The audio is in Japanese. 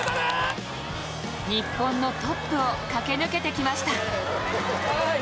日本のトップを駆け抜けてきました。